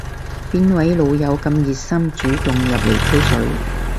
邊位老友咁熱心主動入嚟吹水